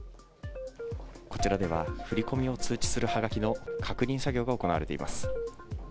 こちらでは、振り込みを通知するはがきの確認作業が行われています。